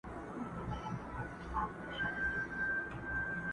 په څپو کي ستا غوټې مي وې لیدلي.!